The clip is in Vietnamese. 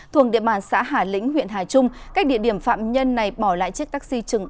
thường địa bàn xã hà lĩnh huyện hà trung cách địa điểm phạm nhân này bỏ lại chiếc taxi chừng ba trăm linh mét